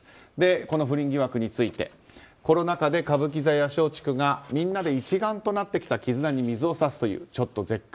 この不倫疑惑についてコロナ禍で歌舞伎座や松竹がみんなで一丸となってきた絆に水を差すというちょっと絶句。